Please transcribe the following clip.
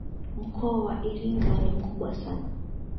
mkoa wa iringa ni mkubwa sana